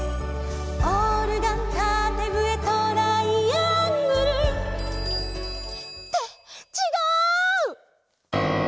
「オルガンたてぶえトライアングル」ってちがう！